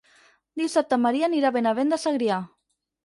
Dissabte en Maria anirà a Benavent de Segrià.